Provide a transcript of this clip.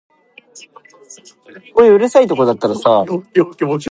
Depending upon the chief complaint, additional sections may be included.